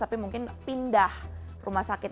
tapi mungkin pindah rumah sakit